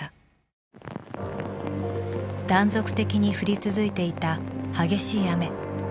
断続的に降り続いていた激しい雨。